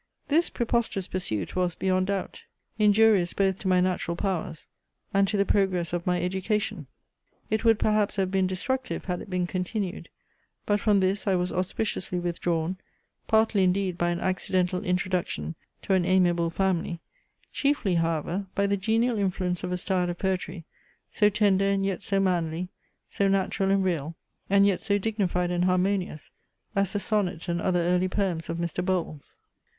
This preposterous pursuit was, beyond doubt, injurious both to my natural powers, and to the progress of my education. It would perhaps have been destructive, had it been continued; but from this I was auspiciously withdrawn, partly indeed by an accidental introduction to an amiable family, chiefly however, by the genial influence of a style of poetry, so tender and yet so manly, so natural and real, and yet so dignified and harmonious, as the sonnets and other early poems of Mr. Bowles.